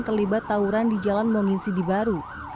terlibat tawuran di jalan menginsidi baru